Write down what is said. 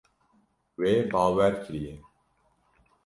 Wê bawer kiriye.